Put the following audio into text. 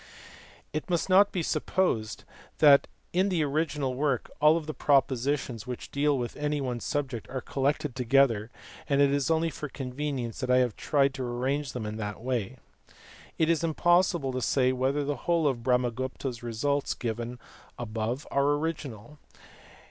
It must not be supposed that in the original work all the propositions which deal with any one subject are collected together, and it is only for convenience that I have tried to arrange them in that way. It is impossible to say whether the whole of Brahmagupta s results given above are original.